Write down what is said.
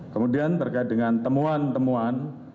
kemudian terkait dengan temuan temuan